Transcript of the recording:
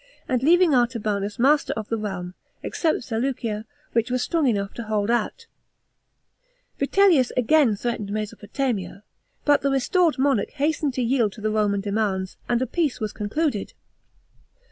and leaving Artabanus master of the realm, except Seleucia, which was 85 A.D. QUESTION OF THE SUCCESSION. 209 strong enough to hold out. Vitellius again threatened Mesopotamia ; but the restored monarch hastened to yield to the Roman demands, and a peace was concluded.